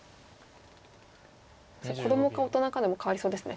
それ子どもか大人かでも変わりそうですね。